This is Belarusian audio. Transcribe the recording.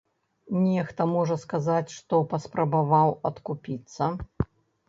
Нехта можа сказаць, што паспрабаваў адкупіцца.